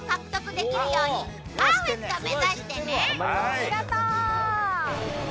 ありがとう！